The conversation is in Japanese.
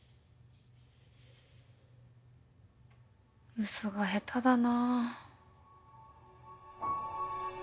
ウソがヘタだな。